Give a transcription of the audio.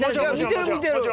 見てる見てる。